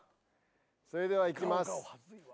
それでは行きます。